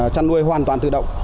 chăn nuôi hoàn toàn tự động